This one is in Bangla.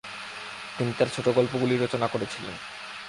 তিনি তার ছোটগল্পগুলি রচনা করেছিলেন।